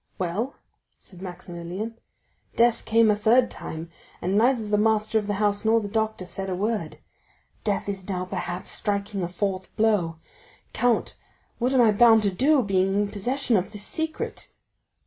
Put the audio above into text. "Well," said Maximilian, "death came a third time, and neither the master of the house nor the doctor said a word. Death is now, perhaps, striking a fourth blow. Count, what am I bound to do, being in possession of this secret?"